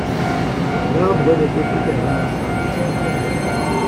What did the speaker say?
L’arbre n’était plus qu’à vingt brasses.